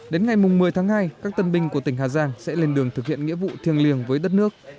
đến ngày một mươi tháng hai các tân binh của tỉnh hà giang sẽ lên đường thực hiện nghĩa vụ thiêng liêng với đất nước